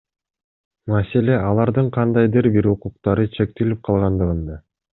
Маселе — алардын кандайдыр бир укуктары чектелип калгандыгында.